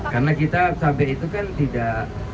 karena kita sampai itu kan tidak